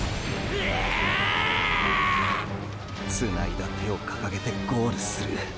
つないだ手を掲げてゴールする。